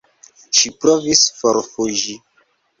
Ŝi provis forfuĝi.